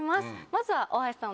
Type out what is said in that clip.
まずは大橋さん